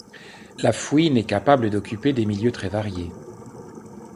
La fouine est capable d'occuper des milieux très variés.